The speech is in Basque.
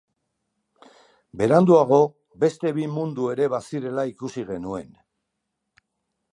Beranduago beste bi mundu ere bazirela ikasi genuen.